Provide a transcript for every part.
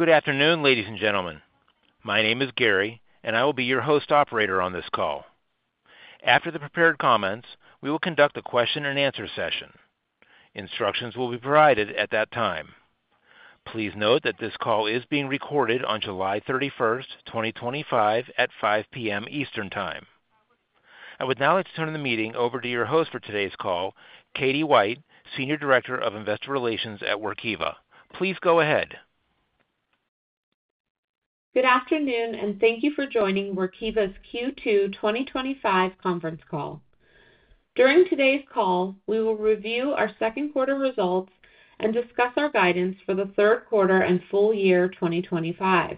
Good afternoon, ladies and gentlemen. My name is Gary, and I will be your host operator on this call. After the prepared comments, we will conduct a question and answer session. Instructions will be provided at that time. Please note that this call is being recorded on July 31st, 2025, at 5:00 P.M. Eastern Time. I would now like to turn the meeting over to your host for today's call, Katie White, Senior Director of Investor Relations at Workiva. Please go ahead. Good afternoon and thank you for joining Workiva's Q2 2025 Conference Call. During today's call we will review our second quarter results and discuss our guidance for the third quarter and full year 2025.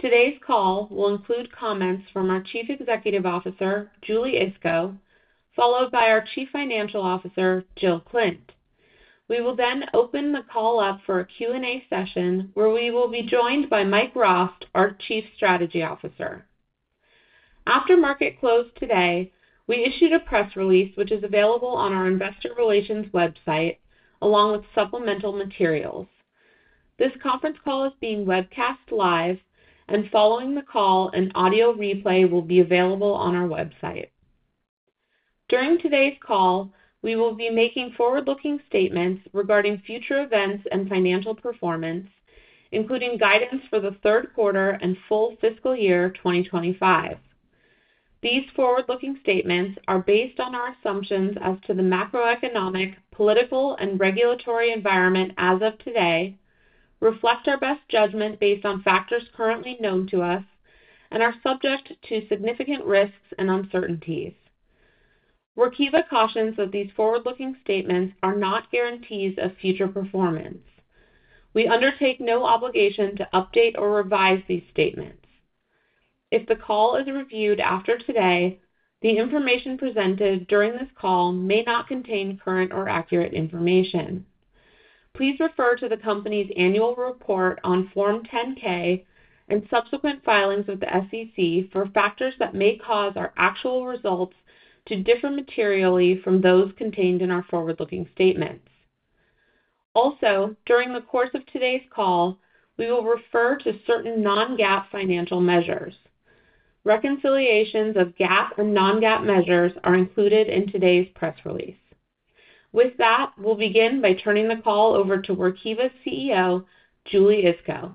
Today's call will include comments from our Chief Executive Officer Julie Iskow, followed by our Chief Financial Officer Jill Klindt. We will then open the call up for a Q&A session where we will be joined by Mike Rost, our Chief Strategy Officer. After market close today we issued a press release which is available on our investor relations website along with supplemental materials. This conference call is being webcast live, and following the call, an audio replay will be available on our website. During today's call we will be making forward-looking statements regarding future events and financial performance including guidance for the third quarter and full fiscal year 2025. These forward-looking statements are based on our assumptions as to the macroeconomic, political, and regulatory environment as of today, reflect our best judgment based on factors currently known to us, and are subject to significant risks and uncertainties. Workiva cautions that these forward-looking statements are not guarantees of future performance. We undertake no obligation to update or revise these statements if the call is reviewed after today. The information presented during this call may not contain current or accurate information. Please refer to the company's annual report on Form 10-K and subsequent filings with the SEC for factors that may cause our actual results to differ materially from those contained in our forward-looking statements. Also, during the course of today's call we will refer to certain non-GAAP financial measures. Reconciliations of GAAP and non-GAAP measures are included in today's press release. With that, we'll begin by turning the call over to Workiva CEO Julie Iskow.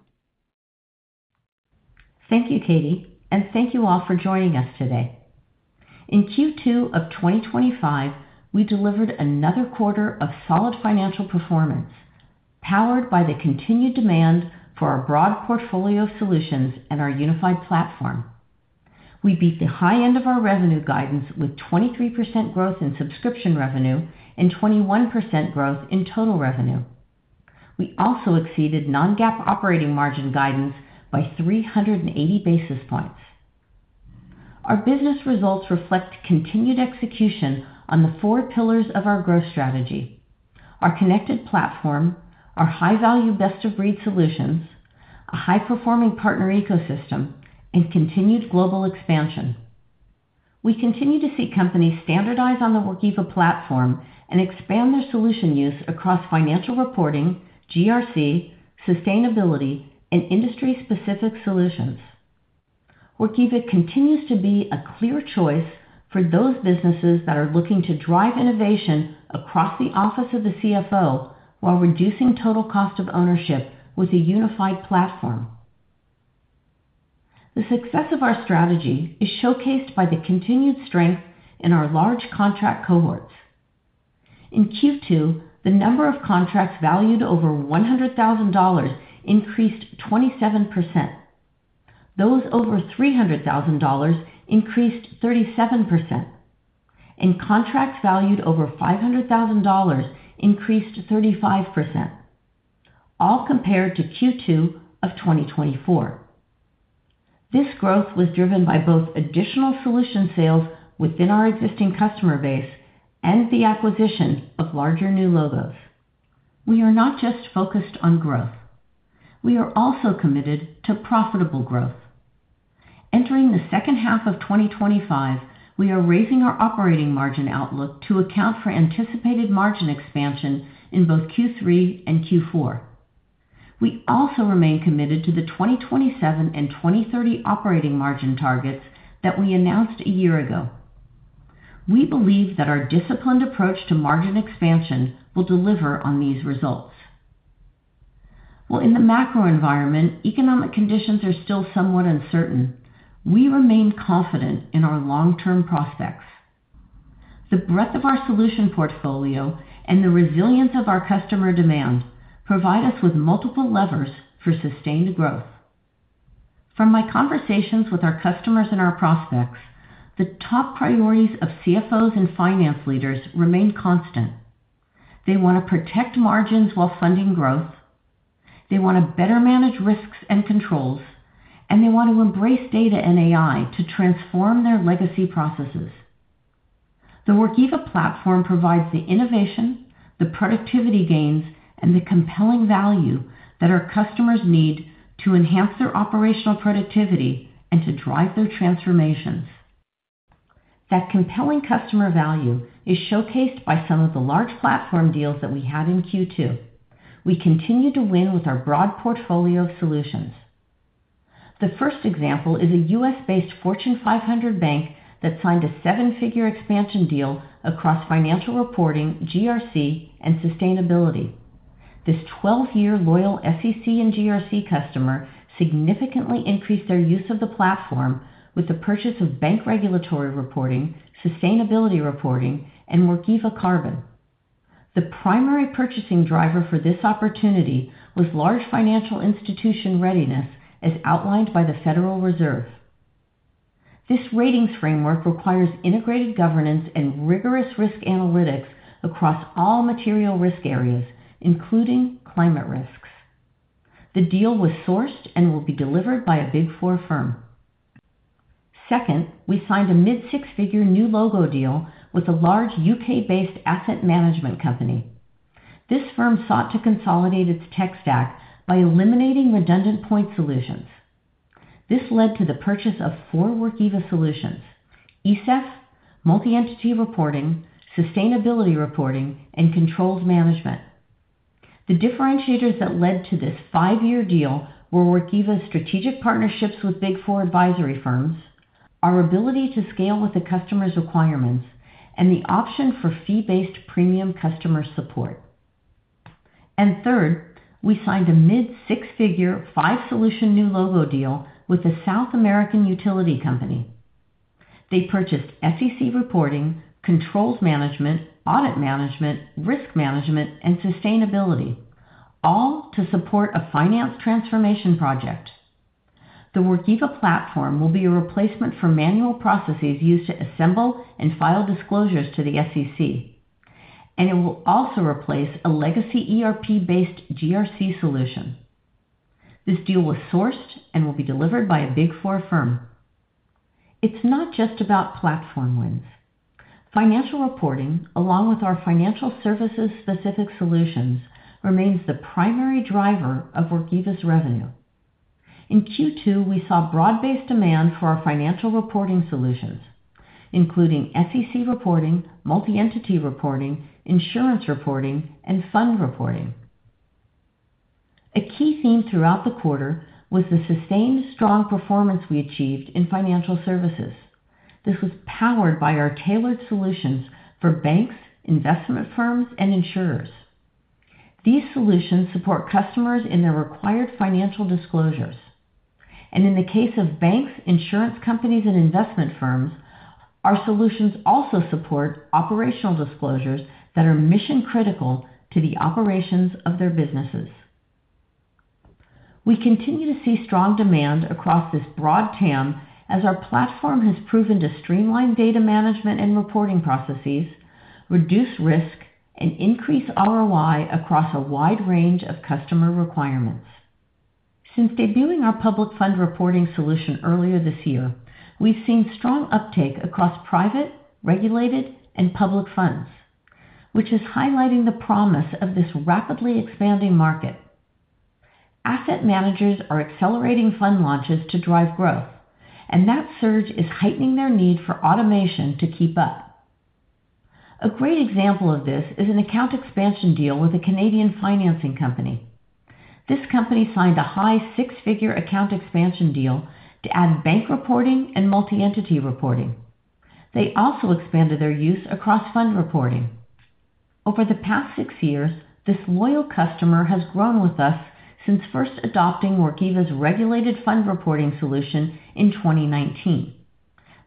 Thank you, Katie, and thank you all for joining us today. In Q2 of 2025, we delivered another quarter of solid financial performance powered by the continued demand for our broad portfolio of solutions and our unified platform. We beat the high end of our revenue guidance with 23% growth in subscription revenue and 21% growth in total revenue. We also exceeded non-GAAP operating margin guidance by 380 basis points. Our business results reflect continued execution on the four pillars of our growth strategy: our connected platform, our high-value best-of-breed solutions, a high-performing partner ecosystem, and continued global expansion. We continue to see companies standardize on the Workiva platform and expand their solution use across financial reporting, GRC, sustainability, and industry-specific solutions. Workiva continues to be a clear choice for those businesses that are looking to drive innovation across the office of the CFO while reducing total cost of ownership with a unified platform. The success of our strategy is showcased by the continued strength in our large contract cohorts. In Q2, the number of contracts valued over $100,000 increased 27%, those over $300,000 increased 37%, and contracts valued over $500,000 increased 35%, all compared to Q2 of 2024. This growth was driven by both additional solution sales within our existing customer base and the acquisition of larger new logos. We are not just focused on growth, we are also committed to profitable growth entering the second half of 2025. We are raising our operating margin outlook to account for anticipated margin expansion in both Q3 and Q4. We also remain committed to the 2027 and 2030 operating margin targets that we announced a year ago. We believe that our disciplined approach to margin expansion will deliver on these results. While in the macro environment economic conditions are still somewhat uncertain, we remain confident in our long-term prospects. The breadth of our solution portfolio and the resilience of our customer demand provide us with multiple levers for sustained growth. From my conversations with our customers and our prospects, the top priorities of CFOs and finance leaders remain constant. They want to protect margins while funding growth, they want to better manage risks and controls, and they want to embrace data and AI to transform their legacy processes. The Workiva platform provides the innovation, the productivity gains, and the compelling value that our customers need to enhance their operational productivity and to drive their transformations. That compelling customer value is showcased by some of the large platform deals that we had in Q2. We continue to win with our broad portfolio of solutions. The first example is a U.S.-based Fortune 500 bank that signed a seven-figure expansion deal across financial reporting, GRC, and sustainability. This 12-year loyal SEC and GRC customer significantly increased their use of the platform with the purchase of bank regulatory reporting, sustainability reporting, and Workiva Carbon. The primary purchasing driver for this opportunity was large financial institution readiness as outlined by the Federal Reserve. This ratings framework requires integrated governance and rigorous risk analytics across all material risk areas, including climate risks. The deal was sourced and will be delivered by a Big Four firm. Second, we signed a mid six-figure new logo deal with a large U.K.-based asset management company. This firm sought to consolidate its tech stack by eliminating redundant point solutions. This led to the purchase of four Workiva solutions: ESEF, multi-entity reporting, sustainability reporting, and controls management. The differentiators that led to this five-year deal were Workiva's strategic partnerships with Big Four advisory firms, our ability to scale with the customer's requirements, and the option for fee-based premium customer support. Third, we signed a mid six-figure, five-solution new logo deal with a South American utility company. They purchased SEC reporting, controls management, audit management, risk management, and sustainability, all to support a finance transformation project. The Workiva platform will be a replacement for manual processes used to assemble and file disclosures to the SEC, and it will also replace a legacy ERP-based GRC solution. This deal was sourced and will be delivered by a Big Four firm. It's not just about platform wins. Financial reporting, along with our financial services-specific solutions, remains the primary driver of Workiva's revenue. In Q2, we saw broad-based demand for our financial reporting solutions, including SEC reporting, multi-entity reporting, insurance reporting, and fund reporting. A key theme throughout the quarter was the sustained strong performance we achieved in financial services. This was powered by our tailored solutions for banks, investment firms, and insurers. These solutions support customers in their required financial disclosures and, in the case of banks, insurance companies, and investment firms, our solutions also support operational disclosures that are mission critical to the operations of their businesses. We continue to see strong demand across this broad TAM as our platform has proven to streamline data management and reporting processes, reduce risk, and increase ROI across a wide range of customer requirements. Since debuting our public fund reporting solution earlier this year, we've seen strong uptake across private, regulated, and public funds, which is highlighting the promise of this rapidly expanding market. Asset managers are accelerating fund launches to drive growth, and that surge is heightening their need for automation to keep up. A great example of this is an account expansion deal with a Canadian financing company. This company signed a high six-figure account expansion deal to add bank reporting and multi-entity reporting. They also expanded their use across fund reporting over the past six years. This loyal customer has grown with us since first adopting Workiva's regulated fund reporting solution in 2019.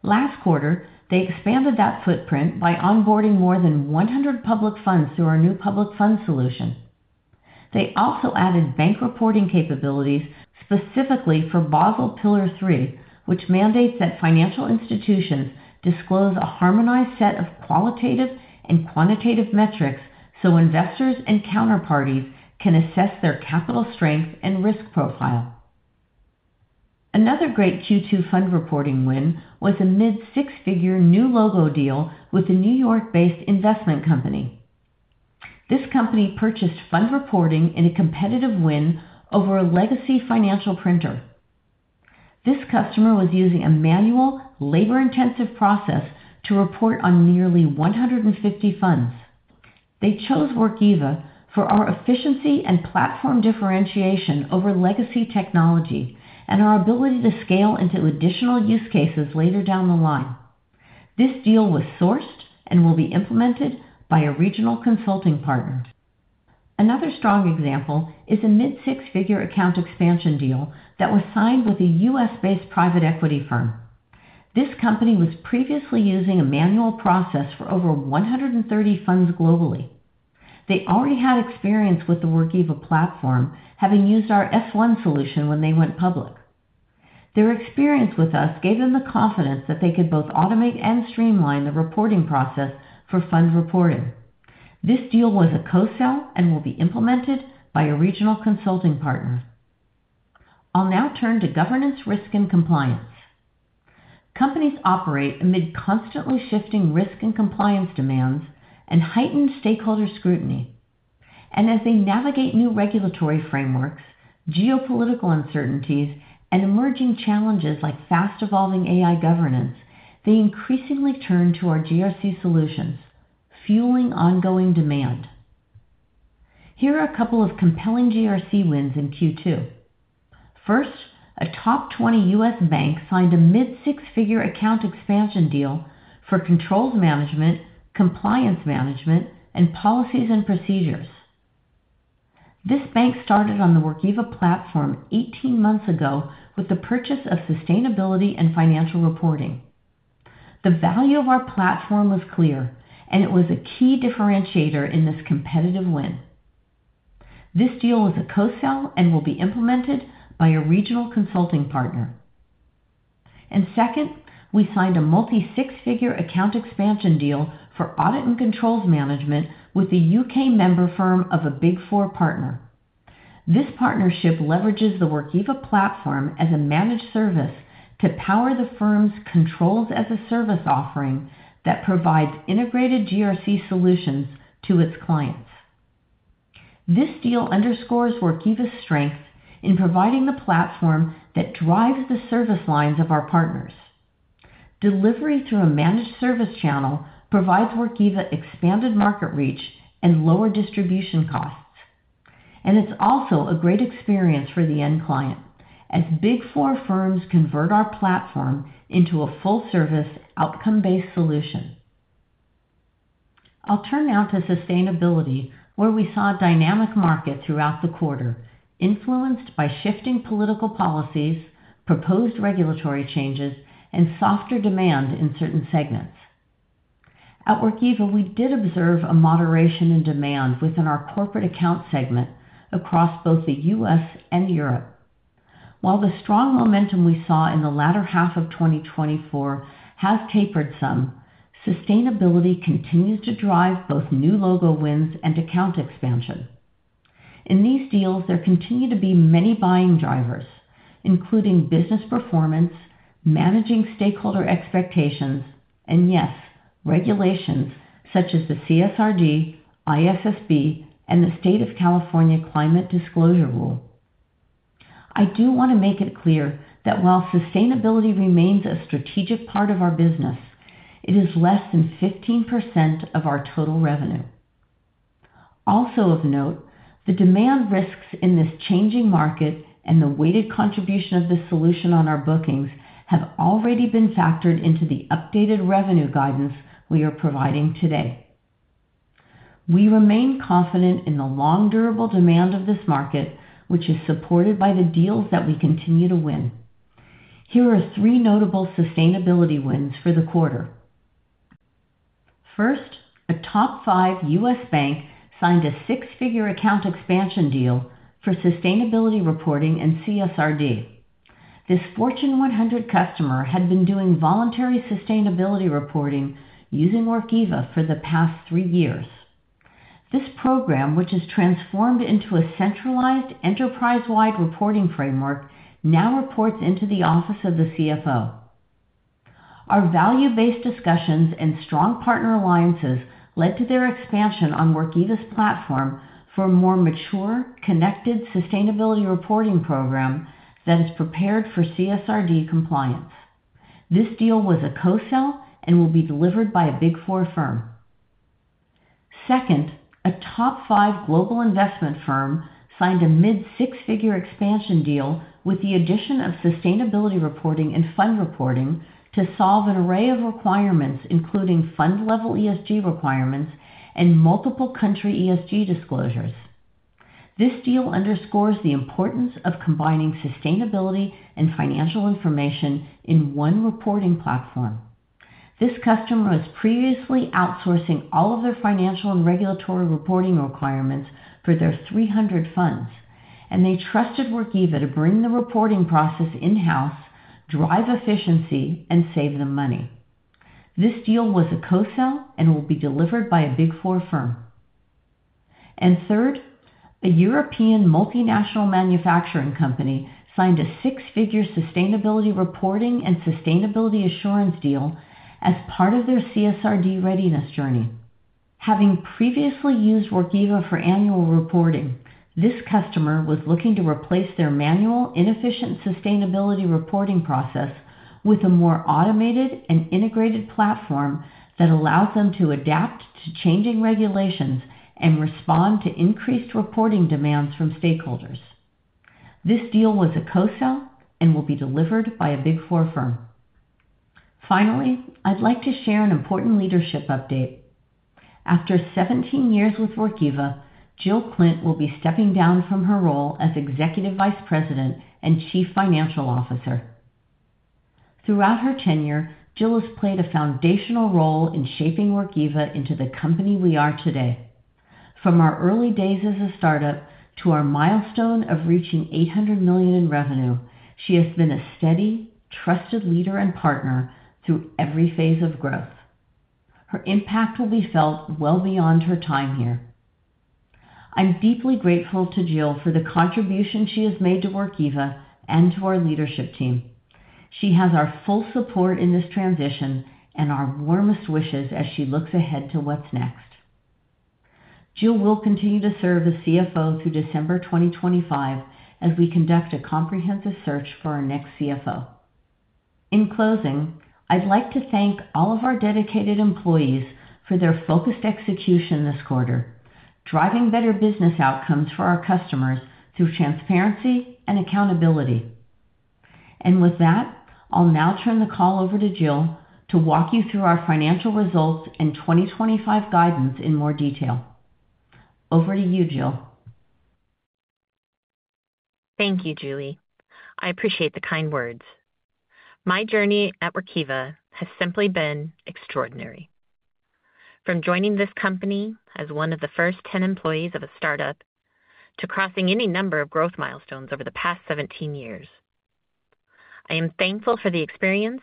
Last quarter, they expanded that footprint by onboarding more than 100 public funds through our new public fund reporting solution. They also added bank reporting capabilities specifically for Basel Pillar 3, which mandates that financial institutions disclose a harmonized set of qualitative and quantitative metrics so investors and counterparties can assess their capital strength and risk profile. Another great Q2 fund reporting win was a mid six-figure new logo deal with the New York-based investment company. This company purchased fund reporting in a competitive win over a legacy financial printer. This customer was using a manual, labor-intensive process to report on nearly 150 funds. They chose Workiva for our efficiency and platform differentiation over legacy technology and our ability to scale into additional use cases later down the line. This deal was sourced and will be implemented by a regional consulting partner. Another strong example is a mid six-figure account expansion deal that was signed with a U.S.-based private equity firm. This company was previously using a manual process for over 130 funds globally. They already had experience with the Workiva platform, having used our S-1 solution when they went public. Their experience with us gave them the confidence that they could both automate and streamline the reporting process for fund reporting. This deal was a co-sell and will be implemented by a regional consulting partner. I'll now turn to governance, risk and compliance. Companies operate amid constantly shifting risk and compliance demands and heightened stakeholder scrutiny. As they navigate new regulatory frameworks, geopolitical uncertainties, and emerging challenges like fast-evolving AI governance, they increasingly turn to our GRC solutions, fueling ongoing demand. Here are a couple of compelling GRC wins in Q2. First, a top 20 U.S. bank signed a mid six-figure account expansion deal for controls management, compliance management, and policies and procedures. This bank started on the Workiva platform 18 months ago with the purchase of sustainability and financial reporting. The value of our platform was clear, and it was a key differentiator in this competitive win. This deal is a co-sell and will be implemented by a regional consulting partner. Second, we signed a multi six-figure account expansion deal for audit and controls management with the U.K. member firm of a Big Four partner. This partnership leverages the Workiva platform as a managed service to power the firm's controls-as-a-service offering that provides integrated GRC solutions to its clients. This deal underscores Workiva's strength in providing the platform that drives the service lines of our partners. Delivery through a managed service channel provides Workiva expanded market reach and lower distribution costs, and it's also a great experience for the end client as Big Four firms convert our platform into a full-service outcome-based solution. I'll turn now to sustainability, where we saw a dynamic market throughout the quarter influenced by shifting political policies, proposed regulatory changes, and softer demand in certain segments. At Workiva, we did observe a moderation in demand within our corporate account segment across both the U.S. and Europe. While the strong momentum we saw in the latter half of 2024 has tapered, sustainability continues to drive both new logo wins and account expansion. In these deals, there continue to be many buying drivers, including business performance, managing stakeholder expectations, and yes, regulations such as the CSRD, ISSB, and the State of California Climate Disclosure Rule. I do want to make it clear that while sustainability remains a strategic part of our business, it is less than 15% of our total revenue. Also of note, the demand risks in this changing market and the weighted contribution of this solution on our bookings have already been factored into the updated revenue guidance we are providing today. We remain confident in the long, durable demand of this market, which is supported by the deals that we continue to win. Here are three notable sustainability wins for the quarter. First, a top five U.S. bank signed a six-figure account expansion deal for sustainability reporting and CSRD. This Fortune 100 customer had been doing voluntary sustainability reporting using Workiva for the past three years. This program, which has transformed into a centralized, enterprise-wide reporting framework, now reports into the Office of the CFO. Our value-based discussions and strong partner alliances led to their expansion on Workiva's platform for a more mature, connected sustainability reporting program that is prepared for CSRD compliance. This deal was a co-sell and will be delivered by a Big Four firm. Second, a top five global investment firm signed a mid six-figure expansion deal with the addition of sustainability reporting and fund reporting to solve an array of requirements, including fund-level ESG requirements and multiple country ESG disclosures. This deal underscores the importance of combining sustainability and financial information in one reporting platform. This customer was previously outsourcing all of their financial and regulatory reporting requirements for their 300 funds, and they trusted Workiva to bring the reporting process in-house, drive efficiency, and save them money. This deal was a co-sell and will be delivered by a Big Four firm. Third, a European multinational manufacturing company signed a six-figure sustainability reporting and sustainability assurance deal as part of their CSRD readiness journey. Having previously used Workiva for annual reporting, this customer was looking to replace their manual, inefficient sustainability reporting process with a more automated and integrated platform that allows them to adapt to changing regulations and respond to increased reporting demands from stakeholders. This deal was a co-sell and will be delivered by a Big Four firm. Finally, I'd like to share an important leadership update. After 17 years with Workiva, Jill Klindt will be stepping down from her role as Executive Vice President and Chief Financial Officer. Throughout her tenure, Jill has played a foundational role in shaping Workiva into the company we are today. From our early days as a startup to our milestone of reaching $800 million in revenue, she has been a steady, trusted leader and partner through every phase of growth. Her impact will be felt well beyond her time here. I'm deeply grateful to Jill for the contribution she has made to Workiva and to our leadership team. She has our full support in this transition and our warmest wishes as she looks ahead to what's next. Jill will continue to serve as CFO through December 2025 as we conduct a comprehensive search for our next CFO. In closing, I'd like to thank all of our dedicated employees for their focused execution this quarter, driving better business outcomes for our customers through transparency and accountability. With that, I'll now turn the call over to Jill to walk you through our financial results and 2025 guidance in more detail. Over to you, Jill. Thank you, Julie. I appreciate the kind words. My journey at Workiva has simply been extraordinary. From joining this company as one of the first 10 employees of a startup to crossing any number of growth milestones over the past 17 years, I am thankful for the experience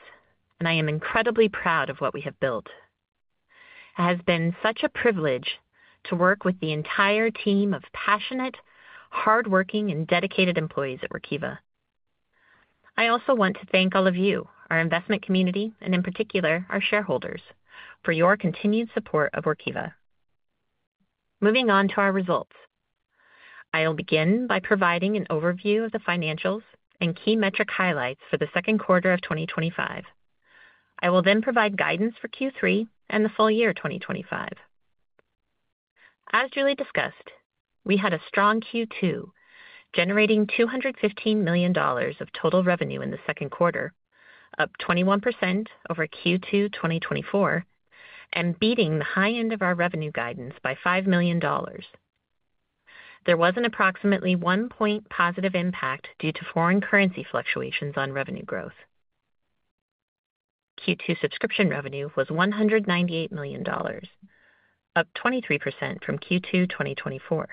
and I am incredibly proud of what we have built. It has been such a privilege to work with the entire team of passionate, hardworking, and dedicated employees at Workiva. I also want to thank all of you, our investment community, and in particular our shareholders for your continued support of Workiva. Moving on to our results, I will begin by providing an overview of the financials and key metric highlights for the second quarter of 2025. I will then provide guidance for Q3 and the full year 2025. As Julie discussed, we had a strong Q2, generating $215 million of total revenue in the second quarter, up 21% over Q2 2024 and beating the high end of our revenue guidance by $5 million. There was an approximately 1 point positive impact due to foreign currency fluctuations on revenue growth. Q2 subscription revenue was $198 million, up 23% from Q2 2024.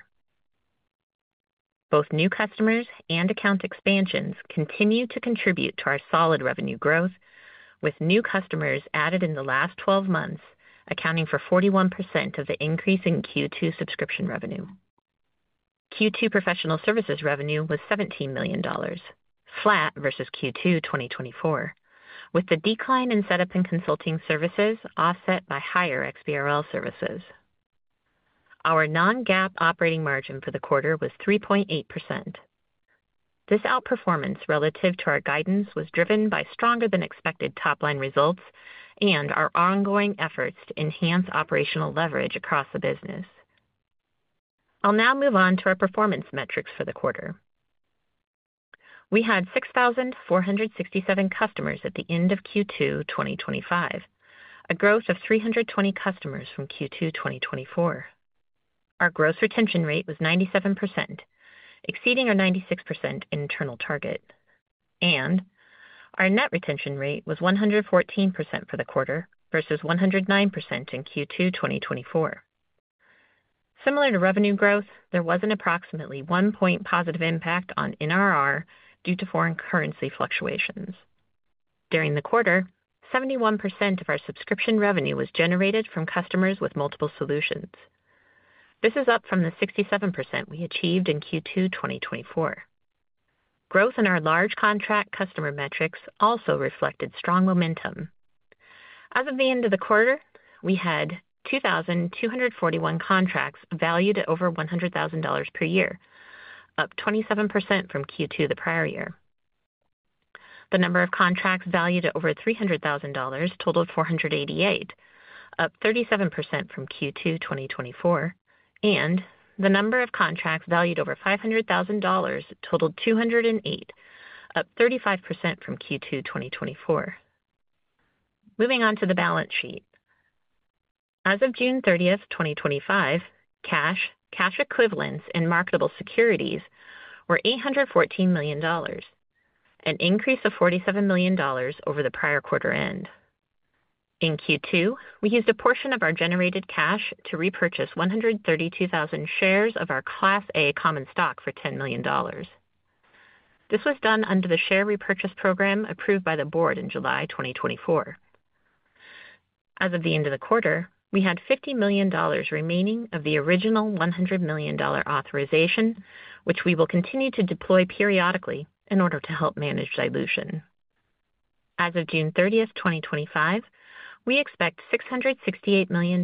Both new customers and account expansions continue to contribute to our solid revenue growth, with new customers added in the last 12 months accounting for 41% of the increase in Q2 subscription revenue. Q2 professional services revenue was $17 million, flat versus Q2 2024, with the decline in setup and consulting services offset by higher XBRL services. Our non-GAAP operating margin for the quarter was 3.8%. This outperformance relative to our guidance was driven by stronger than expected top line results and our ongoing efforts to enhance operational leverage across the business. I'll now move on to our performance metrics for the quarter. We had 6,467 customers at the end of Q2 2025, a growth of 320 customers from Q2 2024. Our gross retention rate was 97%, exceeding our 96% internal target, and our net retention rate was 114% for the quarter versus 109% in Q2 2024. Similar to revenue growth, there was an approximately 1 point positive impact on NRR due to foreign currency fluctuations during the quarter. 71% of our subscription revenue was generated from customers with multiple solutions. This is up from the 67% we achieved in Q2 2024. Growth in our large contract customer metrics also reflected strong momentum. As of the end of the quarter, we had 2,241 contracts valued at over $100,000 per year, up 27% from Q2 the prior year. The number of contracts valued at over $300,000 totaled 488, up 37% from Q2 2024, and the number of contracts valued over $500,000 totaled 208, up 35% from Q2 2024. Moving on to the balance sheet, as of June 30, 2025, cash, cash equivalents, and marketable securities were $814 million, an increase of $47 million over the prior quarter end. In Q2, we used a portion of our generated cash to repurchase 132,000 shares of our Class A common stock for $10 million. This was done under the share repurchase program approved by the Board in July 2024. As of the end of the quarter, we had $50 million remaining of the original $100 million authorization, which we will continue to deploy periodically in order to help manage dilution. As of June 30, 2025, we expect $668 million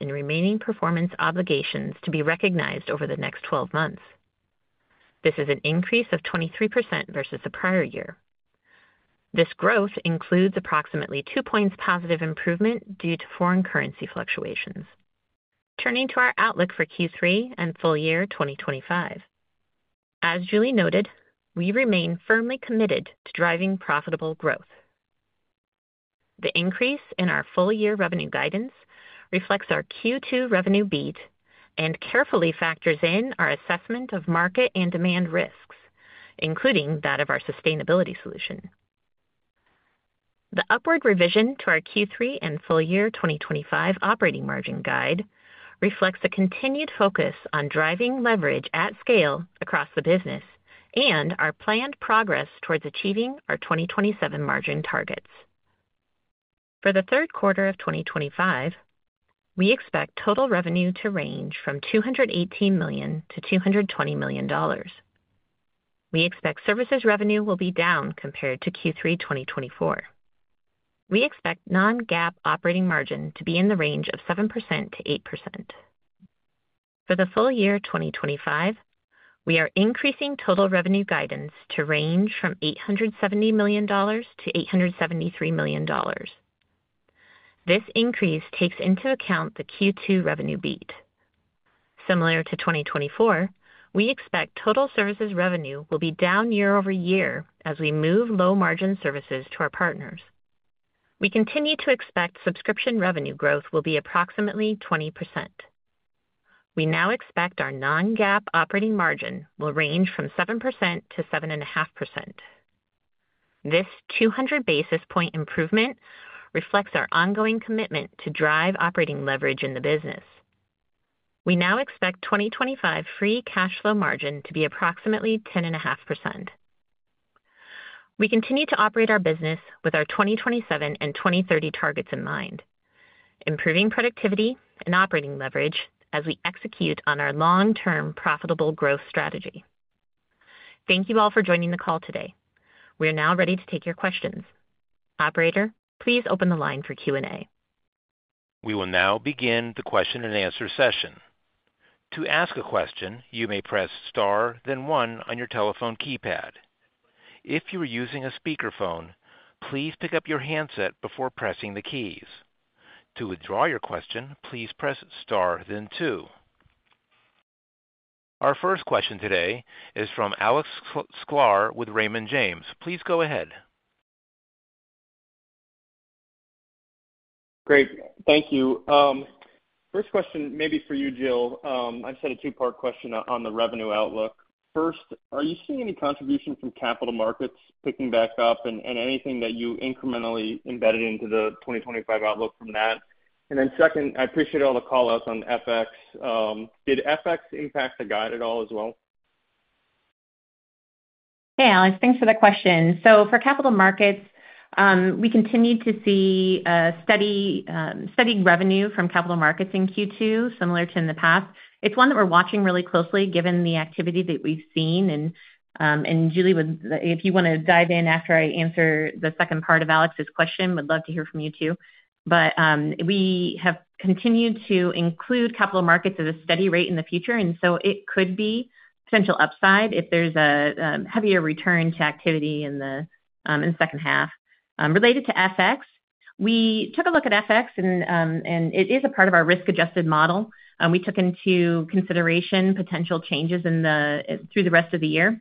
in remaining performance obligations to be recognized over the next 12 months. This is an increase of 23% versus the prior year. This growth includes approximately 2 points positive improvement due to foreign currency fluctuations. Turning to our outlook for Q3 and full year 2025, as Julie noted, we remain firmly committed to driving profitable growth. The increase in our full year revenue guidance reflects our Q2 revenue beat and carefully factors in our assessment of market and demand risks, including that of our sustainability solution. The upward revision to our Q3 and full year 2025 operating margin guide reflects a continued focus on driving leverage at scale across the business and our planned progress towards achieving our 2027 margin targets. For the third quarter of 2025, we expect total revenue to range from $218 million to $220 million. We expect services revenue will be down compared to Q3 2024. We expect non-GAAP operating margin to be in the range of 7% to 8% for the full year 2025. We are increasing total revenue guidance to range from $870 million to $873 million. This increase takes into account the Q2 revenue beat. Similar to 2024, we expect total services revenue will be down year over year as we move low margin services to our partners. We continue to expect subscription revenue growth will be approximately 20%. We now expect our non-GAAP operating margin will range from 7% to 7.5%. This 200 basis point improvement reflects our ongoing commitment to drive operating leverage in the business. We now expect 2025 free cash flow margin to be approximately 10.5%. We continue to operate our business with our 2027 and 2030 targets in mind, improving productivity and operating leverage as we execute on our longsterm profitable growth strategy. Thank you all for joining the call today. We are now ready to take your questions. Operator, please open the line for Q&A. We will now begin the question and answer session. To ask a question, you may press star then one on your telephone keypad. If you are using a speakerphone, please pick up your handset before pressing the keys. To withdraw your question, please press star then two. Our first question today is from Alex Sklar with Raymond James. Please go ahead. Great, thank you. First question maybe for you, Jill. I've have a two part question on the revenue outlook. First, are you seeing any contribution from capital markets picking back up, and anything that you incrementally embedded into the 2025 outlook from that? Second, I appreciate all the call outs on FX. Did FX impact the guide at all as well? Hey Alex, thanks for the question. For capital markets, we continue to see steady revenue from capital markets in Q2, similar to in the past. It's one that we're watching really closely given the activity that we've seen. Julie, if you want to dive in after I answer the second part of Alex's question, we'd love to hear from you too. We have continued to include capital markets at a steady rate in the future, so it could be potential upside if there's a heavier return to activity in the second half related to FX. We took a look at FX, and it is a part of our risk-adjusted model. We took into consideration potential changes through the rest of the year,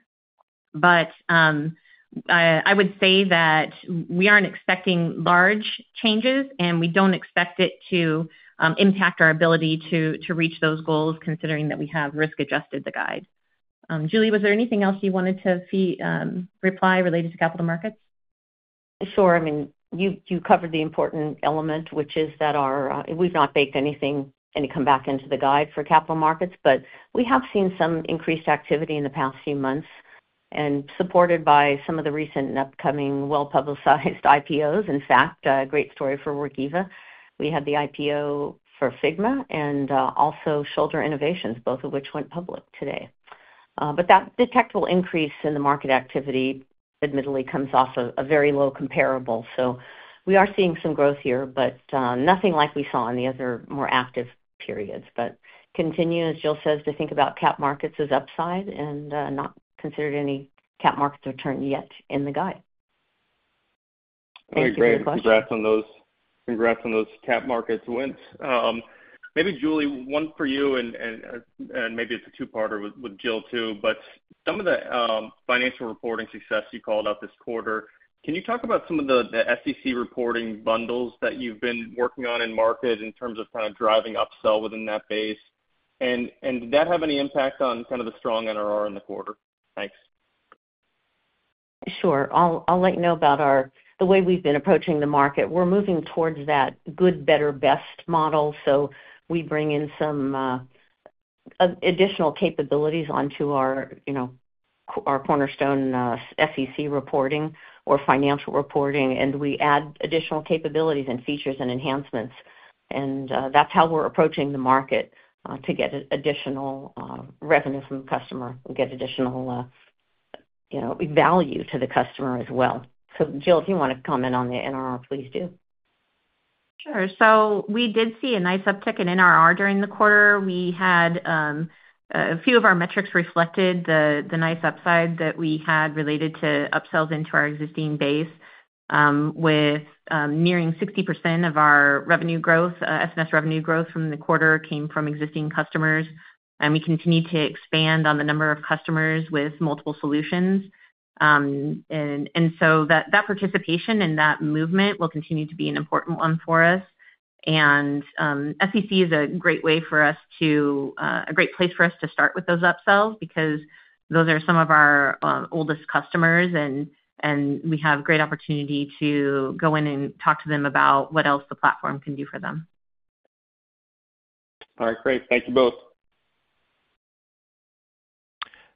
but I would say that we aren't expecting large changes, and we don't expect it to impact our ability to reach those goals considering that we have risk-adjusted the guide. Julie, was there anything else you wanted to reply related to capital markets? Sure, I mean you covered the important element, which is that we've not baked anything and come back into the guide for capital markets, but we have seen some increased activity in the past few months, supported by some of the recent and upcoming well-publicized IPOs. In fact, great story for Workiva. We had the IPO for Figma and also Shoulder Innovations, both of which went public today. That detectable increase in the market activity admittedly comes off a very low comparable. We are seeing some growth here, but nothing like we saw in the other more active periods. We continue, as Jill says, to think about capital markets as upside and have not considered any capital markets return yet in the guide. Very great congrats on those cap markets wins. Maybe Julie, one for you and maybe it's a two parter with Jill too, but some of the financial reporting success you called out this quarter. Can you talk about some of the SEC reporting bundles that you've been working on in market in terms of kind of driving upsell within that base, and did that have any impact on kind of the strong NRR in the quarter? Sure. I'll let you know about the way we've been approaching the market. We're moving towards that good, better, best model. We bring in some additional capabilities onto our cornerstone SEC reporting or financial reporting, and we add additional capabilities and features and enhancements. That's how we're approaching the market to get additional revenue from the customer and get additional value to the customer as well. Jill, if you want to comment. On the NRR, please do. Sure. We did see a nice uptick. net retention rate during the quarter. We had a few of our metrics reflected the nice upside that we had related to upsells into our existing base, with nearing 60% of our revenue growth. SMS revenue growth from the quarter came from existing customers, and we continue to expand on the number of customers with. Multiple solutions. That participation in that movement will continue to be an important one for us, and SEC is a great place for us to start with those upsells because those are some of our oldest customers, and we have great opportunity to go in and talk to them about what else the platform can do for them. All right, great. Thank you both.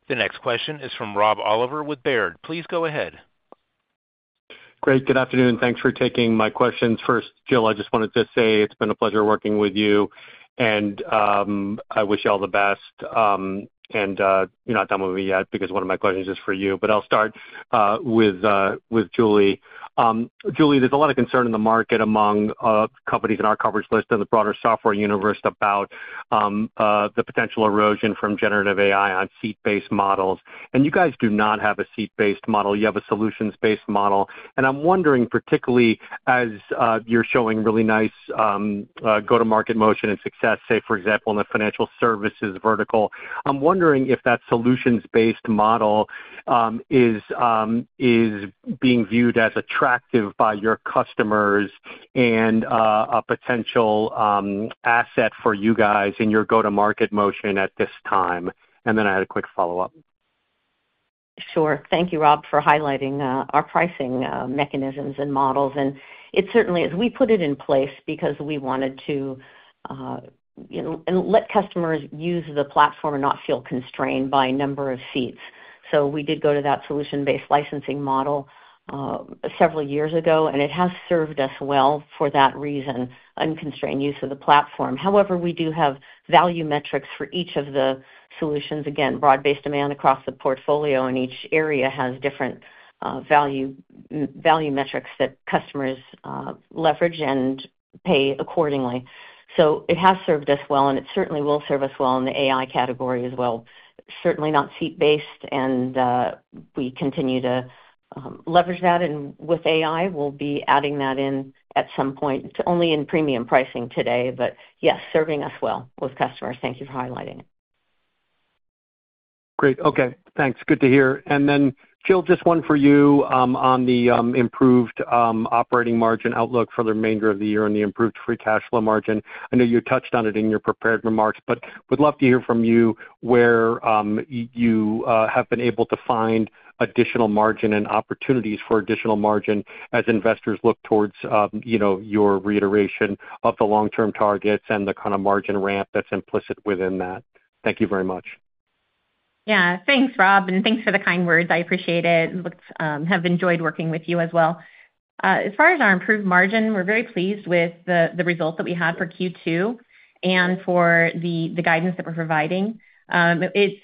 The next question is from Rob Oliver with Baird. Please go ahead. Great. Good afternoon. Thanks for taking my questions. Jill, I just wanted to say it's been a pleasure working with you and I wish you all the best. You're not done with me yet because one of my questions is for you. I'll start with Julie. Julie, there's a lot of concern in the market among companies in our coverage list and the broader software universe about the potential erosion from generative AI on seat based models. You guys do not have a seat-based model, you have a solutions-based model. I'm wondering, particularly as you're showing really nice go to market motion and success, for example, in the financial services vertical, if that solutions based model is being viewed as attractive by your customers and a potential asset for you guys in your go to market motion at this time. I had a quick follow up. Sure. Thank you, Rob, for highlighting our pricing mechanisms and models. It certainly is. We put it in place because we wanted to let customers use the platform and not feel constrained by number of seats. We did go to that solution-based licensing model several years ago, and it has served us well for that reason, unconstrained use of the platform. However, we do have value metrics for each of the solutions. Again, broad-based demand across the portfolio, and each area has different value metrics that customers leverage and pay accordingly. It has served us well, and it certainly will serve us well in the AI category as well. It is certainly not seat-based, and we continue to leverage that. With AI, we'll be adding that in at some point. Only in premium pricing today, but yes, serving us well with customers. Thank you for highlighting it. Great. Okay, thanks. Good to hear. Jill, just one for you on the improved operating margin outlook for the remainder of the year and the improved free cash flow margin. I know you touched on it in your prepared remarks, but would love to hear from you where you have been able to find additional margin and opportunities for additional margin as investors look towards your reiteration of the long term targets and the kind of margin ramp that's implicit within that. Thank you very much. Yeah, thanks Rob. Thanks for the kind words. I appreciate it. Have enjoyed working with you as well. As far as our improved margin, we're very pleased with the results that we have for Q2 and for the guidance that we're providing. It's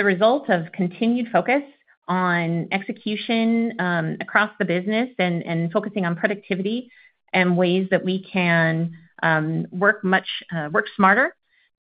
a result of continued focus on execution across the business and focusing on productivity and ways that. We can. Work smarter.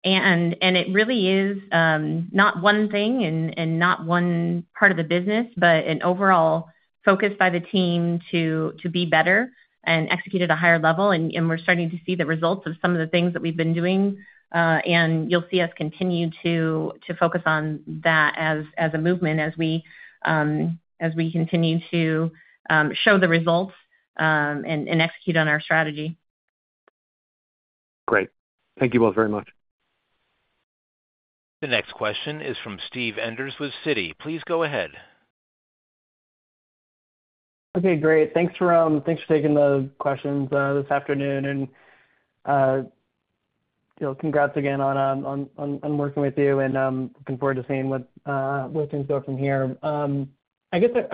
It really is not one thing and not one part of the business, but an overall focus by the team to be better and execute at a higher level. We are starting to see the results of some of the things that we've been doing, and you'll see us continue to focus on that as a movement as we continue to show the results and execute on our strategy. Great. Thank you both very much. The next question is from Steve Enders with Citi. Please go ahead. Okay, great. Thanks for taking the questions this afternoon. Congrats again on working with you and looking forward to seeing where things go from here. I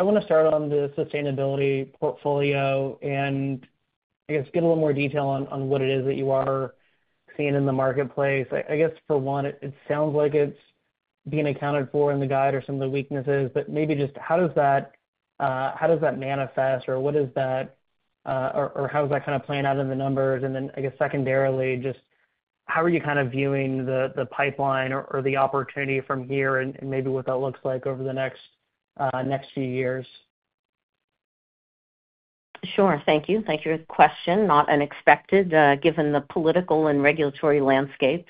want to start on the sustainability portfolio and get a little more detail on what it is that you are seeing in the marketplace. For one, it sounds like it's being accounted for in the guide or some of the weaknesses. Maybe just how does that manifest or what is that or how is that kind of playing out in the numbers? Secondarily, how are you kind of viewing the pipeline or the opportunity from here and maybe what that looks like over the next few years? Sure. Thank you. Thank you for the question. Not unexpected given the political and regulatory landscape,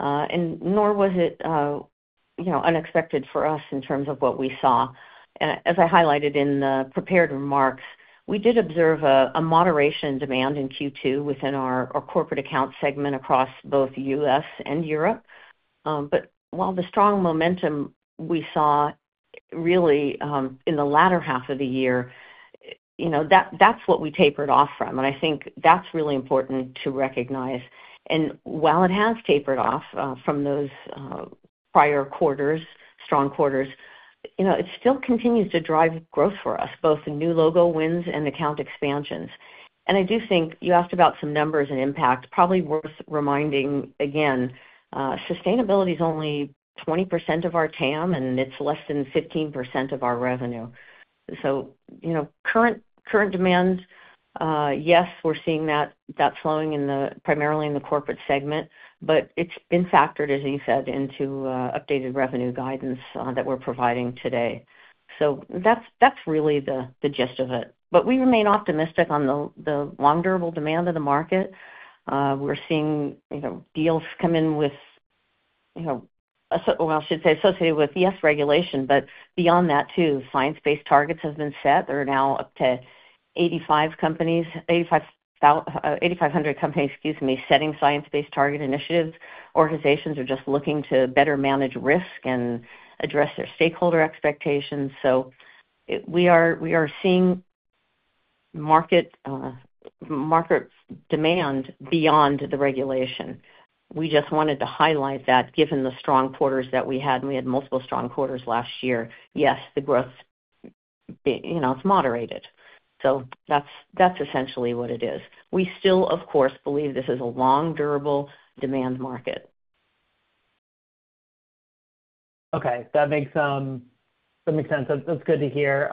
nor was it unexpected for us in terms of what we saw. As I highlighted in the prepared remarks, we did observe a moderation in demand in Q2 within our corporate account segment across both U.S. and Europe. While the strong momentum we saw really in the latter half of the year, that's what we tapered off from. I think that's really important to recognize. While it has tapered off from those prior quarters, strong quarters, it still continues to drive growth for us, both the new logo wins and account expansions. I do think you asked about some numbers and impact, probably worth reminding again, sustainability is only 20% of our TAM and it's less than 15% of our revenue. Current demand, yes, we're seeing that slowing primarily in the corporate segment, but it's been factored, as he said, into updated revenue guidance that we're providing today. That's really the gist of it. We remain optimistic on the long durable demand of the market. We're seeing deals come in with. Well. I should say associated with, yes, regulation, but beyond that too, science-based targets have been set. There are now up to 8,500 companies setting science-based target initiatives. Organizations are just looking to better manage risk and address their stakeholder expectations. We are seeing market demand beyond the regulation. We just wanted to highlight that given the strong quarters that we had, and we had multiple strong quarters last year, yes, the growth has moderated. That's essentially what it is. We still of course believe this is a long durable demand market. Okay, that makes sense. That's good to hear.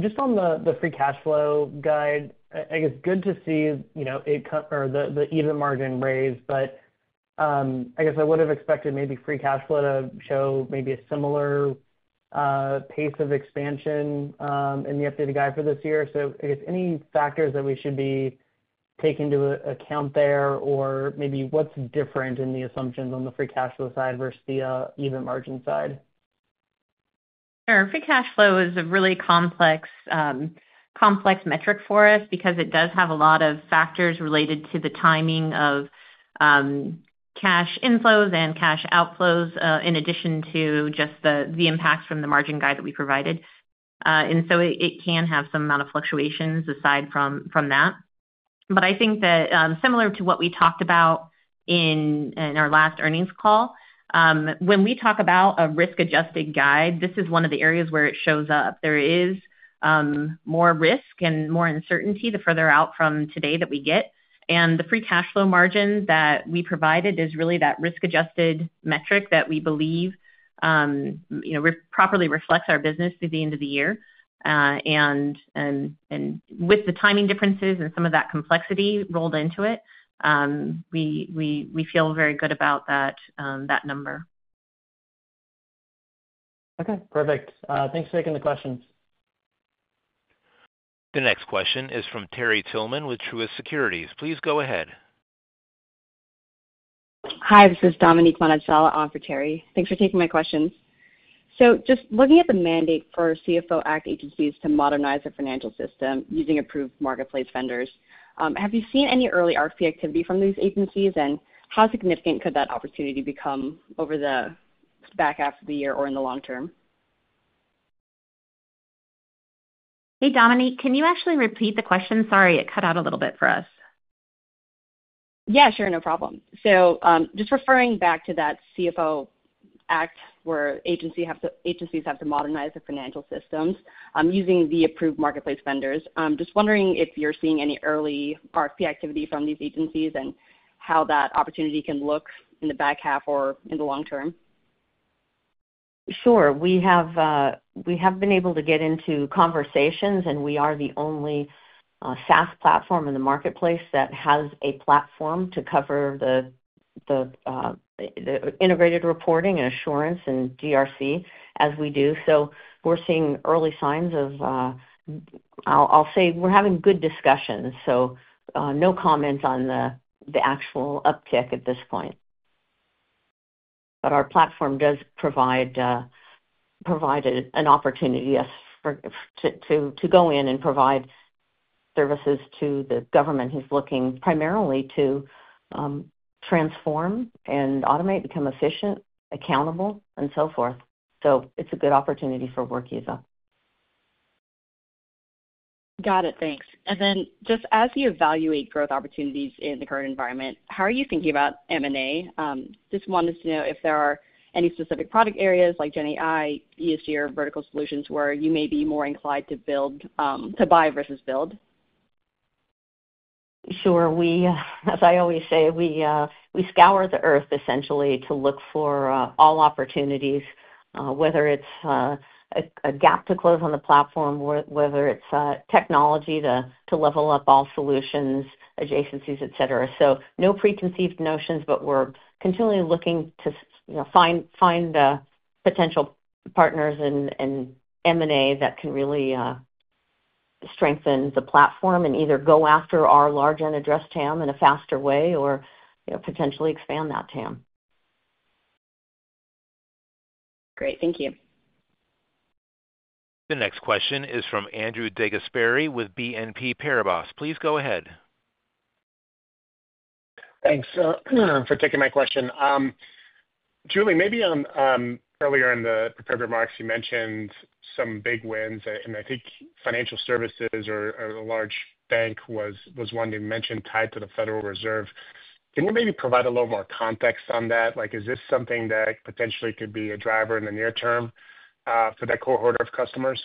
Just on the free cash flow guide, I guess good to see the EBIT margin raised, but I guess I would have expected maybe free cash flow to show maybe a similar pace of expansion in the updated guide for this year. I guess any factors that we should be taking into account there or maybe what's different in the assumptions on the free cash flow side versus the EBIT margin side? Free cash flow is a really complex metric for us because it does have a lot of factors related to the timing of cash inflows and cash outflows in addition to just the impacts from the margin guide that we provided. It can have some amount of fluctuations aside from that. I think that similar to what we talked about in our last earnings call, when we talk about a risk adjusted guide, this is one of the areas where it shows up. There is more risk and more uncertainty the further out from today that we get. The free cash flow margin that we provided is really that risk adjusted metric that we believe properly reflects our business through the end of the year. With the timing differences and some of that complexity rolled into it, we feel very good about that number. Okay, perfect. Thanks for taking the questions. The next question is from Terry Tillman with Truist Securities. Please go ahead. Hi, this is Dominique Manansala, off for Terry. Thanks for taking my questions. Just looking at the mandate for. CFO Act agencies to modernize their financial system using approved marketplace vendors, have you seen any early RFP activity from these? Agencies and how significant could that opportunity be. Become over the back half of the. Year or in the long term? Hey Dominique, can you repeat the question? Sorry, it cut out a little bit for us. Yeah, sure, no problem. Just referring back to that CFO Act where agencies have to modernize the financial systems using the approved marketplace vendors. I'm just wondering if you're seeing any early RFP activity from these agencies and how that opportunity can look in the back half or in the long-term. Sure. We have been able to get into conversations and we are the only SaaS platform in the marketplace that has a platform to cover the integrated reporting and assurance and GRC. As we do so, we're seeing early signs of, I'll say we're having good discussions. No comment on the actual uptick at this point, but our platform does provide an opportunity to go in and provide services to the government who's looking primarily to transform and automate, become efficient, accountable, and so forth. It's a good opportunity for Workiva. Got it, thanks. As you evaluate growth opportunities in the current environment, how are you thinking about M&A? Just wanted to know if there are any specific product areas like GenAI, ESG, or vertical solutions where you may be more inclined to buy versus build. Sure. As I always say, we scour the earth essentially to look for all opportunities, whether it's a gap to close on the platform, whether it's technology to level up all solutions, adjacencies, et cetera. No preconceived notions, but we're continually looking to find potential partners in M&A that can really strengthen the platform and either go after our large unaddressed TAM in a faster way or potentially expand that TAM. Great, thank you. The next question is from Andrew DeGasperi with BNP Paribas. Please go ahead. Thanks for taking my question. Julie, earlier in the prepared remarks you mentioned some big wins and I think financial services or a large bank was one you mentioned tied to the Federal Reserve. Can you provide a little more context on that? Is this something that potentially could be a driver in the near term for that cohort of customers?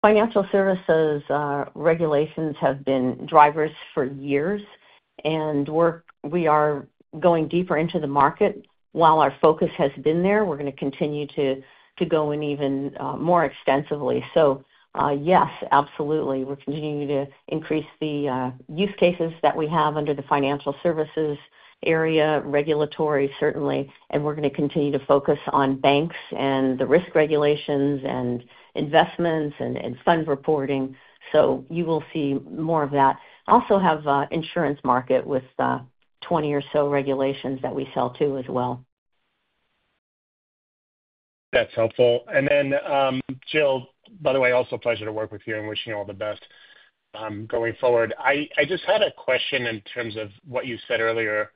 Financial services regulations have been drivers for years, and we are going deeper into the market. While our focus has been there, we're going to continue to go in even more extensively. Yes, absolutely, we're continuing to increase the use cases that we have under the financial services area. Regulatory, certainly, and we're going to continue to focus on banks and the risk regulations and investments and fund reporting. You will see more of that. We also have the insurance market with 20 or so regulations that we sell to as well. That's helpful. Jill, by the way, also a pleasure to work with you and wishing you all the best going forward. I just had a question in terms of what you said earlier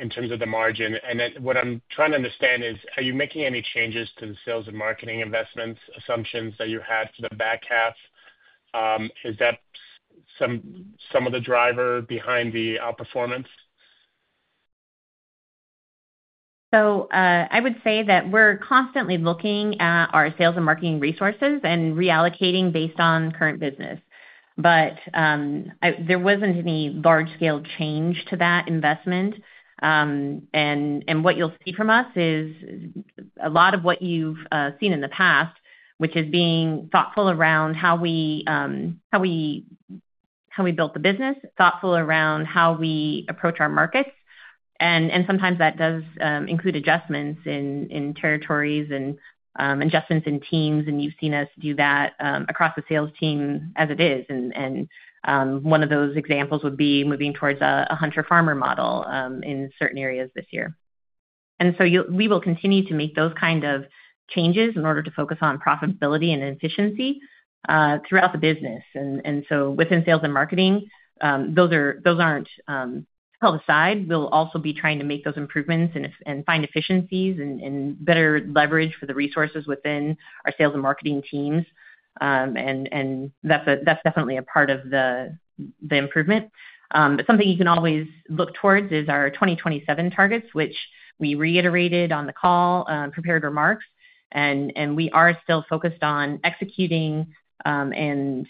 in terms of the margin, and what I'm trying to understand is are you making any changes to the sales and marketing investments assumptions that you had for the back half? Is that some of the driver behind the outperformance? I would say that we're constantly looking at our sales and marketing resources and reallocating based on current business, but there wasn't any large scale change to that investment. What you'll see from us is. A lot of what you've seen in the past is being thoughtful around how we built the business, thoughtful around how we approach our markets. Sometimes that does include adjustments in territories and adjustments in teams. You've seen us do that across the sales team. One of those examples would be moving towards a hunter farmer model in certain areas this year. Will continue to make those kind of. Changes in order to focus on profitability and efficiency throughout the business. Within sales and marketing, those aren't held aside. We'll also be trying to make those improvements and find efficiencies and better leverage for the resources within our sales and marketing teams. That's definitely a part of the improvement. Something you can always look towards. It's our 2027 targets, which we reiterated. On the call prepared remarks. We are still focused on executing and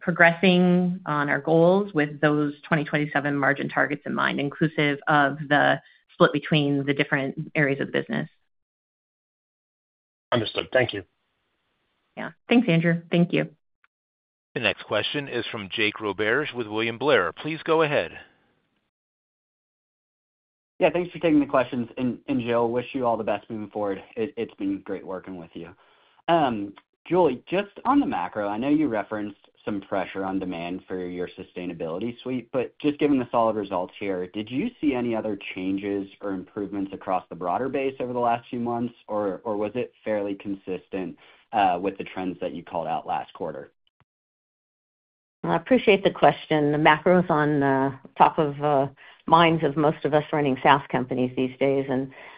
progressing on our goals with those 2027 margin targets in mind, inclusive of the split between the different areas of the business. Understood. Thank you. Yeah, thanks, Andrew. Thank you. The next question is from Jake Roberge with William Blair. Please go ahead. Yeah, thanks for taking the questions and Jill, wish you all the best moving forward. It's been great working with you. Julie, just on the macro, I know you referenced some pressure on demand for your sustainability suite, but just given the solid results here, did you see any other changes or improvements across the broader base over the last few months or was it fairly consistent with the trends that you called out last quarter? I appreciate the question. The macro is on top of minds of most of us running SaaS companies these days.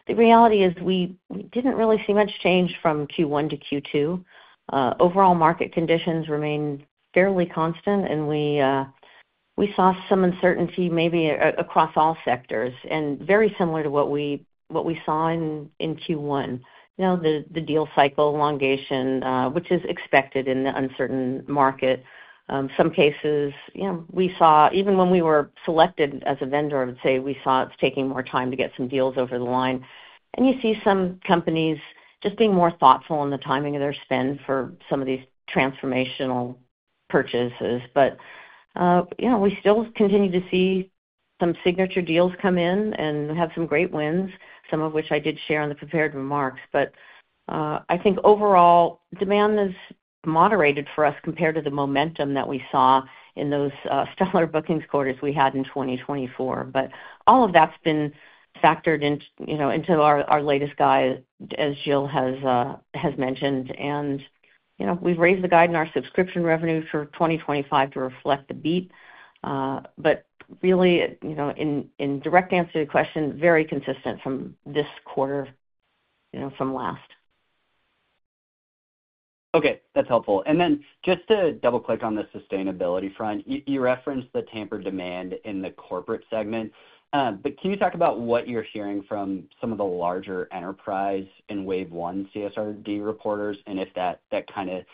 The reality is we didn't really see. Much change from Q1 to Q2. Overall market conditions remained fairly constant, and we saw some uncertainty maybe across all sectors. Very similar to what we saw in Q1, the deal cycle elongation is expected in the uncertain market. In some cases, we saw even when we were selected as a vendor, I would say we saw it's taking more time to get some deals over the line. You see some companies just being. More thoughtful in the timing of their spend for some of these transformational purchases. We still continue to see some signature deals come in and have some great wins, some of which I did share in the prepared remarks. I think overall demand has moderated for us compared to the momentum that we saw in those stellar bookings quarters we had in 2024. All of that has been factored into our latest guide as Jill has mentioned, and we've raised the guide in our subscription revenue for 2025 to reflect the beat. Really, in direct answer to your question, very consistent from this quarter from last. Okay, that's helpful. Just to double click on the sustainability front, you referenced the tampered demand in the corporate segment. Can you talk about what you're hearing from some of the larger enterprise and Wave one CSRD reporters and if that kind of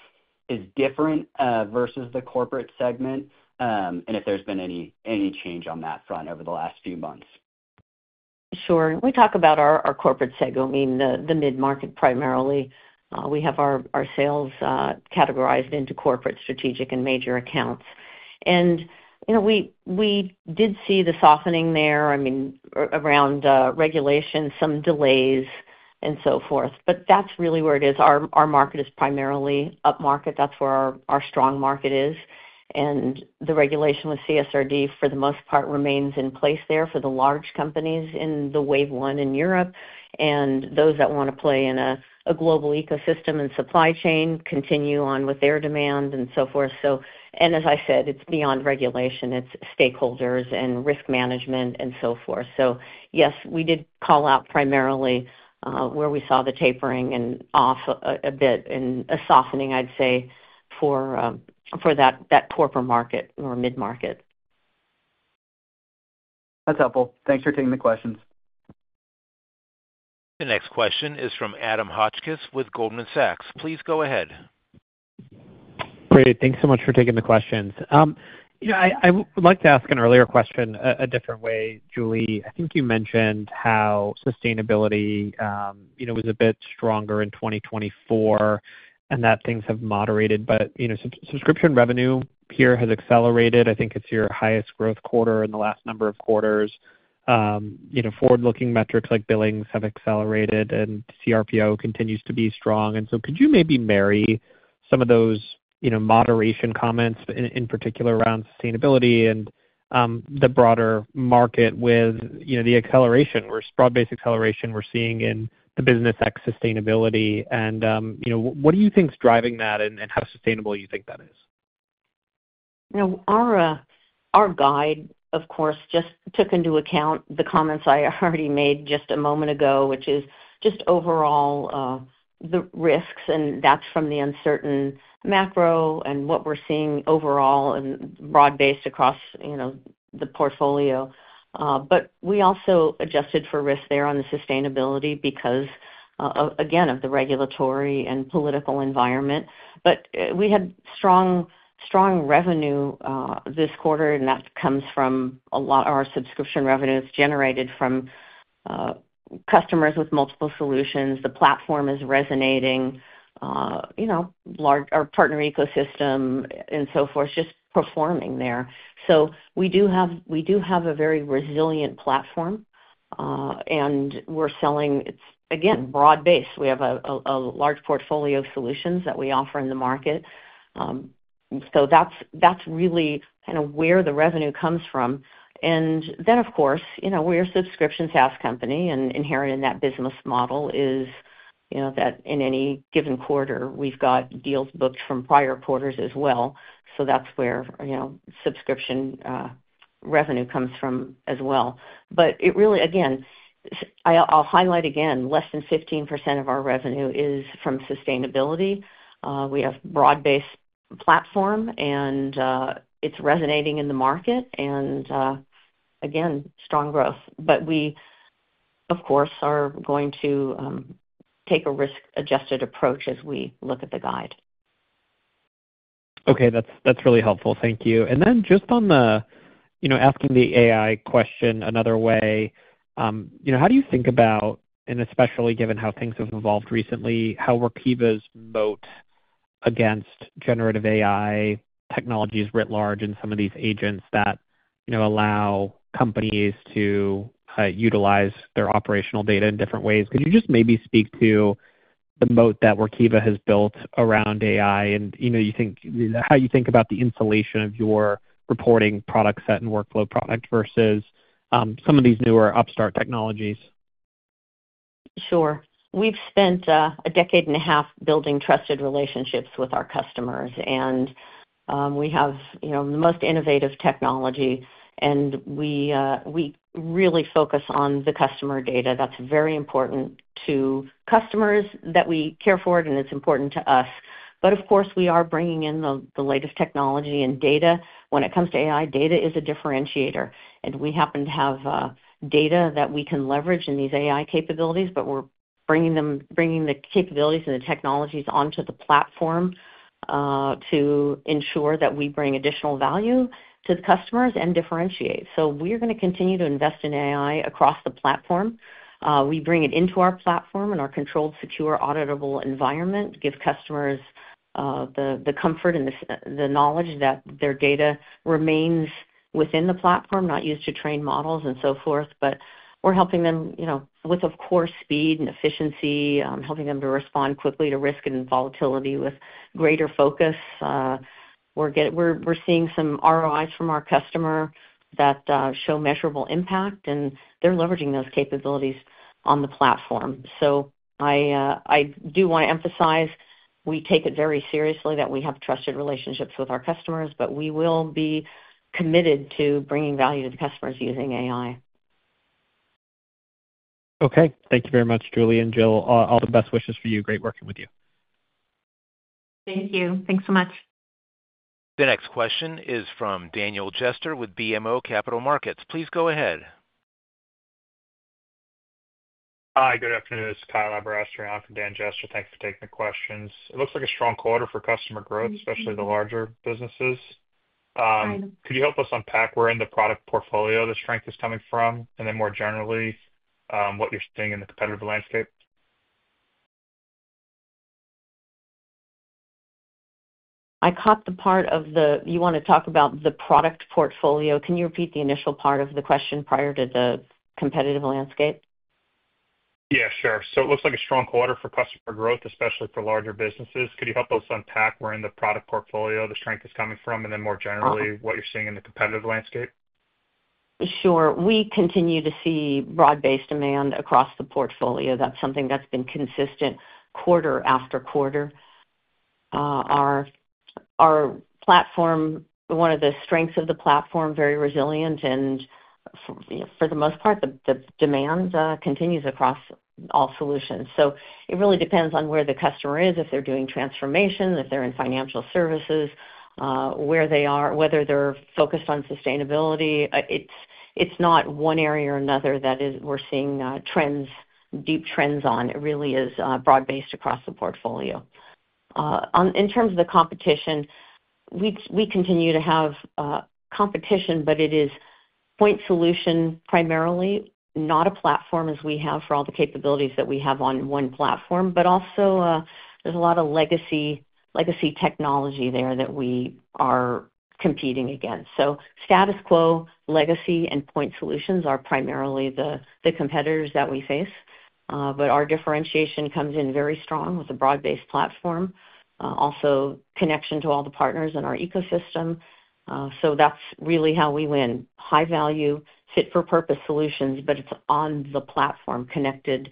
is different versus the corporate segment, and if there's been any change on that front over the last few months? Sure. We talk about our corporate segment, the mid-market primarily. We have our sales categorized into corporate, strategic, and major accounts, and we did see the softening there around regulation, some delays, and so forth, but that's really where it is. Our market is primarily upmarket. That's where our strong market is, and the regulation with CSRD for the most part remains in place there for the large companies in the Wave 1 in Europe, and those that want to play in a global ecosystem and supply chain continue on with their demand and so forth. As I said, it's beyond regulation, it's stakeholders and risk management and so forth. Yes, we did call out primarily where we saw the tapering and off a bit and a softening, I'd say, for that corporate market or mid-market. That's helpful. Thanks for taking the questions. The next question is from Adam Hotchkiss with Goldman Sachs. Please go ahead. Great. Thanks so much for taking the questions. I would like to ask an earlier question a different way. Julie, I think you mentioned how sustainability was a bit stronger in 2024 and that things have moderated, but subscription revenue here has accelerated. I think it's your highest growth quarter in the last number of quarters. Forward-looking metrics like billings have accelerated and CRPO continues to be strong, and so could you maybe marry some of those moderation comments, in particular around sustainability and the broader market, with the acceleration, broad-based acceleration we're seeing in the business ex-sustainability? What do you think is driving that and how sustainable you think that is? Our guide of course just took into account the comments I already made just a moment ago, which is just overall the risks and that's from the uncertain macro and what we're seeing overall and broad based across the portfolio. We also adjusted for risk there on the sustainability because again of the regulatory and political environment. We had strong revenue this quarter and that comes from our subscription revenues generated from customers with multiple solutions, the platform is resonating, our partner ecosystem and so forth, just performing there. We do have a very resilient platform and we're selling again, broad-based. We have a large portfolio of solutions that we offer in the market. That's really kind of where the revenue comes from. Of course, we're a subscription SaaS company and inherent in that business model is that in any given quarter we've got deals booked from prior quarters as well. That's where subscription revenue comes from as well. Really again, I'll highlight again, less than 15% of our revenue is from sustainability. We have broad-based platform and it's resonating in the market and again, strong growth. We of course are going to take a risk adjusted approach as we look at the guide. Okay, that's really helpful, thank you. Just on the, you know, asking the AI question another way, how do you think about, and especially given how things have evolved recently, how Workiva's moat against generative AI technologies writ large and some of these agents that allow companies to utilize their operational data in different ways. Could you just maybe speak to the moat that Workiva has built around AI and how you think about the installation of your reporting product set and workflow product versus some of these newer upstart technologies? Sure. We've spent a decade and a half building trusted relationships with our customers, and we have the most innovative technology. We really focus on the customer data that's very important to customers, that we care for it, and it's important to us. Of course, we are bringing in the latest technology and data. When it comes to AI, data is a differentiator, and we happen to have data that we can leverage in these AI capabilities. We're bringing the capabilities and the technologies onto the platform to ensure that we bring additional value to the customers and differentiate. We're going to continue to invest in AI across the platform. We bring it into our platform in our controlled, secure, auditable environment, give customers the comfort and the knowledge that their data remains within the platform, not used to train models and so forth. We're helping them with, of course, speed and efficiency, helping them to respond quickly to risk and volatility with greater focus. We're seeing some ROIs from our customer that show measurable impact, and they're leveraging those capabilities on the platform. I do want to emphasize we take it very seriously that we have trusted relationships with our customers, but we will be committed to bringing value to the customers using AI. Okay, thank you very much, Julie and Jill. All the best wishes for you. Great working with you. Thank you. Thanks so much. The next question is from Daniel Jester with BMO Capital Markets. Please go ahead. Hi, good afternoon. This is Kyle Aberasturi off Dan Jester. Thanks for taking the questions. It looks like a strong quarter for customer growth, especially the larger businesses. Could you help us unpack where in the product portfolio the strength is coming from, and then more generally what you're seeing in the competitive landscape? I caught the part of the question. You want to talk about the product portfolio? Can you repeat the initial part of the question prior to the competitive landscape? Yeah, sure. It looks like a strong quarter for customer growth, especially for larger businesses. Could you help us unpack where in the product portfolio the strength is coming from, and then more generally what you're seeing in the competitive landscape? Sure. We continue to see broad-based demand across the portfolio. That's something that's been consistent quarter after quarter. Our platform, one of the strengths of the platform, is very resilient, and for the most part, the demand continues across all solutions. It really depends on where the customer is, if they're doing transformation, if they're in financial services, where they are, whether they're focused on sustainability. It's not one area or another that we're seeing deep trends on. It really is broad-based across the portfolio. In terms of the competition, we continue to have competition, but it is point solution primarily, not a platform as we have for all the capabilities that we have on one platform. There is also a lot of legacy technology there that we are competing against. Status quo legacy and point solutions are primarily the competitors that we face. Our differentiation comes in very strong with a broad-based platform, also connection to all the partners in our ecosystem. That's really how we win high-value, fit-for-purpose solutions, but it's on the platform, connected,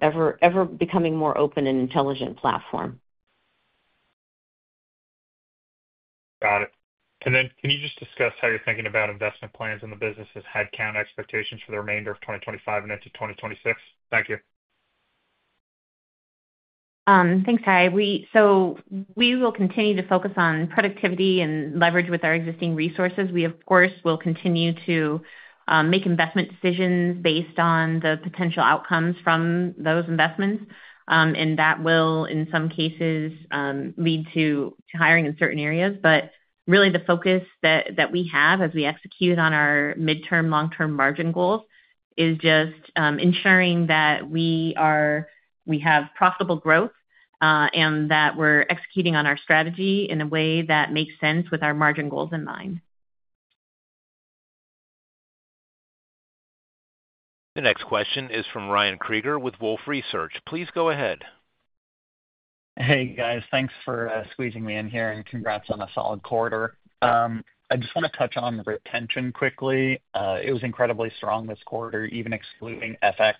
ever becoming more open and intelligent platform. Got it. Could you discuss how you're thinking about investment plans in the business as headcount expectations for the remainder of 2025 and into 2026? Thank you. Thanks, Kyle. We will continue to focus on productivity and leverage with our existing resources. We of course will continue to make investment decisions based on the potential outcomes from those investments, and that will in some cases lead to hiring in certain areas. The focus that we have as we execute on our midterm long term margin goals is just ensuring that we have profitable growth and that we're. Executing on our strategy in a way. That makes sense with our margin goals in mind. The next question is from Ryan Krieger with Wolfe Research. Please go ahead. Hey guys, thanks for squeezing me in here and congrats on a solid quarter. I just want to touch on retention quickly. It was incredibly strong this quarter, even excluding FX.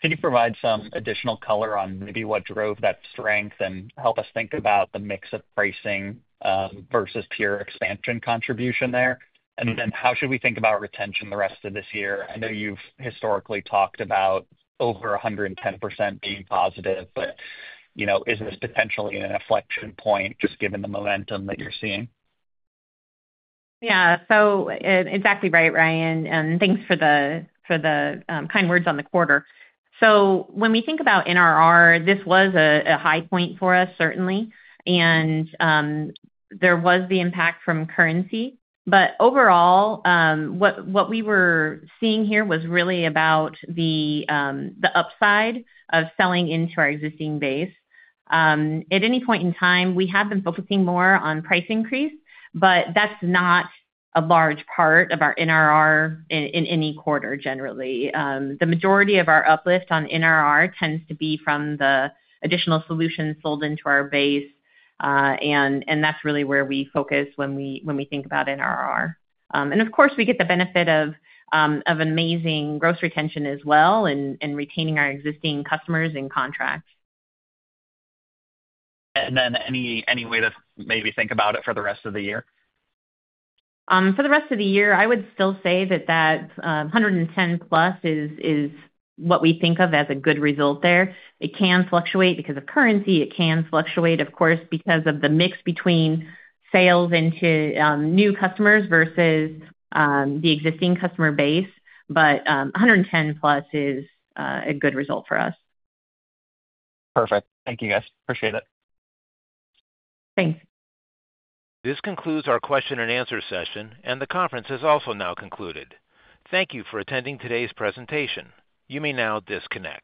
Can you provide some additional color on maybe what drove that strength and help us think about the mix of pricing versus pure expansion contribution? Then how should we think about retention the rest of this year? I know you've historically talked about over 110% being positive, but is this potentially an inflection point just given the momentum that you're seeing? Yeah, exactly right, Ryan, and thanks for the kind words on the quarter. When we think about NRR, this was a high point for us certainly, and there was the impact from currency. Overall, what we were seeing here was really about the upside of selling into our existing base at any point in time. We have been focusing more on price increase, but that's not a large part of our NRR in any quarter. Generally, the majority of our uplift on NRR tends to be from the additional solutions sold into our base. That's really where we focus when we think about NRR. Of course, we get the benefit of amazing gross retention as well and retaining our existing customers and contracts. Is there any way to maybe think about it for the rest of the year? For the rest of the year, I would still say that 110+ is what we think of as a good result there. It can fluctuate because of currency. It can fluctuate, of course, because of the mix between sales into new customers versus the existing customer base. 110+ is a good result for us. Perfect. Thank you, guys. Appreciate it. Thanks. This concludes our question and answer session, and the conference has also now concluded. Thank you for attending today's presentation. You may now disconnect.